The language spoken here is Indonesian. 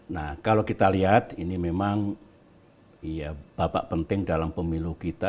nah kalau kita lihat ini memang babak penting dalam pemilu kita